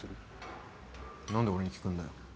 何で俺に聞くんだよ。